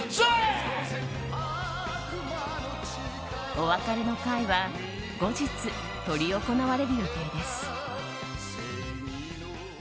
お別れの会は後日執り行われる予定です。